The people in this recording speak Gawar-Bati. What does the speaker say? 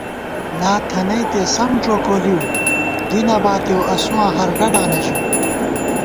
لا تھنَئیتے سم ڄوکولِؤ دی نہ باتېؤ اسُواں ہر ڈَڈانہ ژِؤ